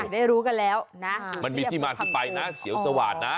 ได้รู้กันแล้วมันมีที่ไปเสียวสวาดนะ